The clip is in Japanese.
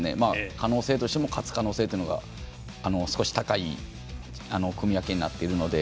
可能性としても勝つ可能性が少し高い組み分けになっているので。